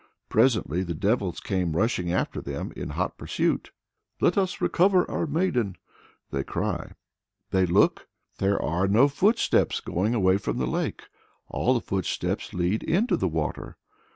Presently the devils came rushing after them in hot pursuit: "Let us recover our maiden!" they cry. They look: there are no footsteps going away from the lake; all the footsteps lead into the water!